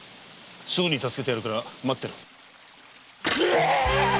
すぐに助けてやるから待ってろ。